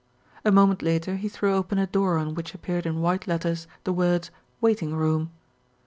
A moment later he threw open a door on which ap peared in white letters the words "Waiting Room."